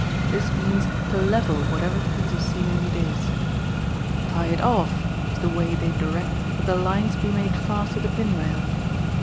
This means to "level" whatever piece of scenery it is. "Tie it off" is the way they direct that the lines be made fast to the pin rail.